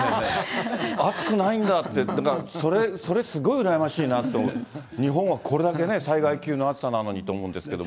暑くないんだって、だからそれ、すごい羨ましいなって、日本はこれだけ災害級の暑さなのにって思うんですけども。